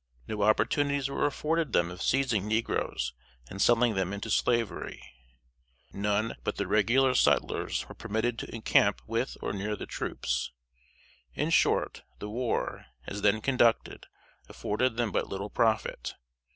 No opportunities were afforded them of seizing negroes and selling them into slavery; none but the regular sutlers were permitted to encamp with or near the troops; in short, the war, as then conducted, afforded them but little profit.